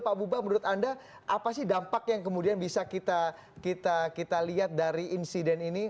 pak bubah menurut anda apa sih dampak yang kemudian bisa kita lihat dari insiden ini